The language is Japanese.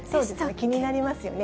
気になりますよね。